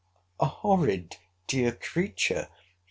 A horrid dear creature!